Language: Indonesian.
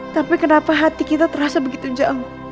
tapi kenapa hati kita terasa begitu jauh